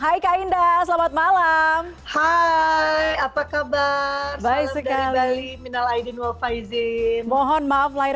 hai kak indah selamat malam hai apa kabar baik sekali minal aiden wafaizin mohon maaf lahir